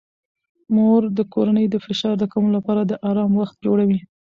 مور د کورنۍ د فشار کمولو لپاره د آرام وخت جوړوي.